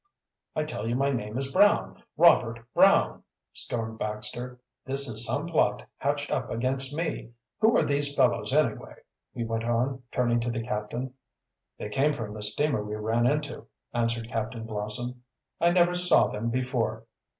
"I tell you my name is Brown Robert Brown!" stormed Baxter. "This is some plot hatched up against me. Who are these fellows, anyway?" he went on, turning to the captain. "They came from the steamer we ran into," answered Captain Blossom. "I never saw them before."